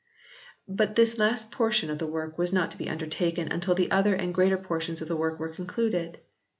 But this last portion of the work was not to be undertaken until the other and greater portions of the work were concluded.